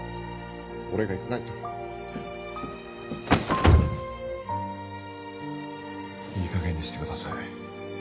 俺が行かないといいかげんにしてください